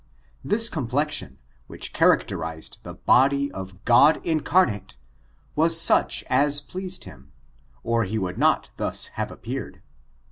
This complexion, which characterized the body of God incarnate, was such as pleased him, or he would not thus have appeared.